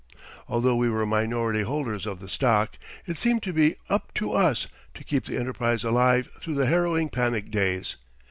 Although we were minority holders of the stock, it seemed to be "up to us" to keep the enterprise alive through the harrowing panic days.